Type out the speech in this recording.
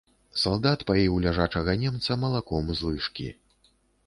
Салдат паіў ляжачага немца малаком з лыжкі.